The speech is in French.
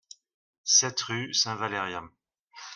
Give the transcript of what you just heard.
sept rue Saint-Valérien